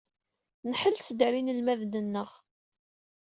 Nḥelles-d ɣer yinelmaden-nneɣ.